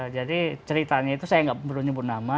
jadi ceritanya itu saya nggak perlu nyebut nama